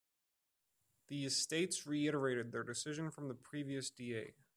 The Estates reiterated their decision from the previous Diet.